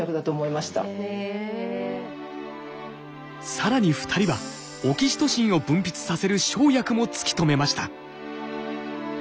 更に２人はオキシトシンを分泌させる生薬も突き止めました。